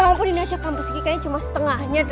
ya ampun ini aja kampus g kayaknya cuma setengahnya